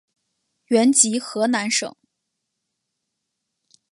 原籍河南省。